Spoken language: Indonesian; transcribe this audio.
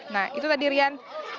nah itu tadi rian